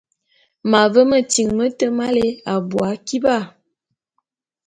M’ave metyiŋ mete meláe abui akiba.